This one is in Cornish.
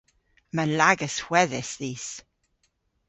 Yma lagas hwedhys dhis.